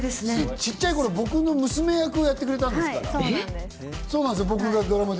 小っちゃい頃、僕の娘役をやってくれたんですから。